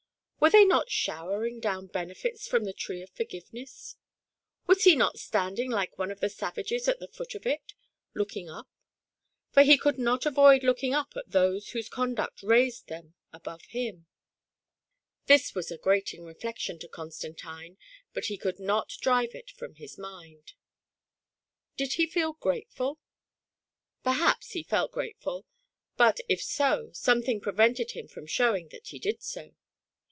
Were they not showering down Benefits jfrom the tree of Forgiveness ?— was he not standing like one of the savages at the foot of it, looking up ? for he could not avoid looking up at those whose conduct raised them above him. This was a grating 142 THE PRISONER IN DARKNESS. reflection to Constantine, but he could not drive it from his mind Did he feel grateftd ? Perhaps he felt gratefrd; but if so, something prevented him from showing that he did so.